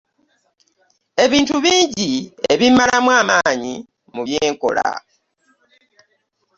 Ebintu bingi ebimalamu amangi mu byenkola.